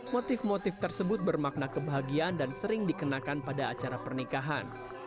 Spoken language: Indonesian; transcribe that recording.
motif motif tersebut bermakna kebahagiaan dan sering dikenakan pada acara pernikahan